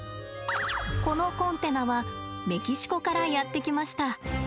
このコンテナはメキシコからやって来ました。